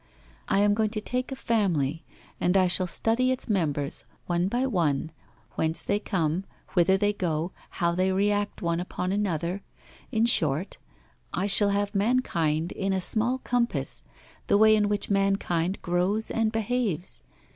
I am going to take a family, and I shall study its members, one by one, whence they come, whither they go, how they re act one upon another in short, I shall have mankind in a small compass, the way in which mankind grows and behaves.